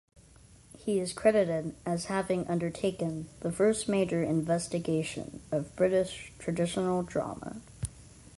He is credited as having undertaken "the first major investigation of British traditional drama".